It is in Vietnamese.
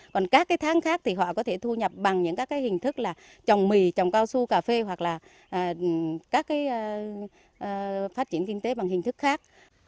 còn các cái tháng khác thì họ có thể thu nhập bằng những các cái hình thức là trồng mì trồng cao su cà phê hoặc là các cái phát triển kinh tế bằng hình thức khác